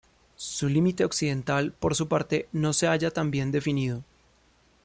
Su límite occidental, por su parte, no se halla tan bien definido.